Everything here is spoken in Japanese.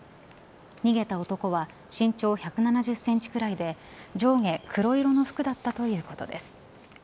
逃げた男は身長１７０センチくらいで上下黒色の服だったということです。